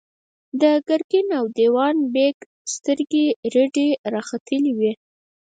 د ګرګين او دېوان بېګ سترګې رډې راختلې وې.